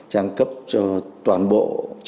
trang cấp cho toàn bộ